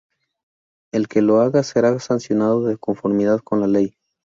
El que lo haga será sancionado de conformidad con la ley".